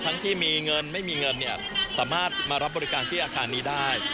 ที่มีเงินไม่มีเงินสามารถมารับบริการที่อาคารนี้ได้